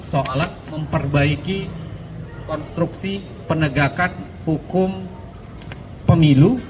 soal memperbaiki konstruksi penegakan hukum pemilu